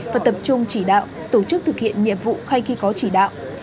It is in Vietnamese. và tập trung chỉ đạo tổ chức thực hiện nhiệm vụ ngay khi có chỉ đạo